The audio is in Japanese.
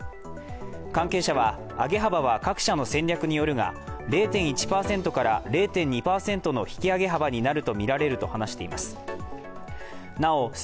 関係者は、上げ幅は各社の戦略によるが、０．１％から０．２％の引き上げ幅になるとみられると話しています。